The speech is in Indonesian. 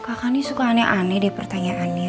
kakak nih suka aneh aneh deh pertanyaannya